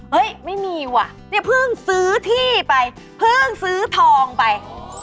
เฮ้ยไม่มีว่ะเพิ่งซื้อที่ไปเพิ่งซื้อทองไป